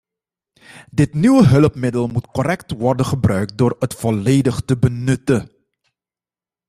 Dit nieuwe hulpmiddel moet correct worden gebruikt door het volledig te benutten.